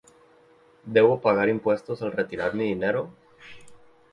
¿Debo pagar impuestos al retirar mi dinero?